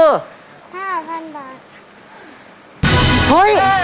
โอ้โห